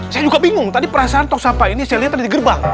saya juga bingung tadi perasaan tong sampah ini selnya tadi di gerbang